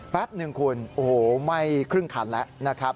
แป๊บนึงคุณโอ้โหไหม้ครึ่งขันแล้ว